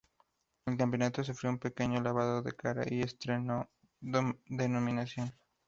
El campeonato sufrió un pequeño lavado de cara y estrenó denominación.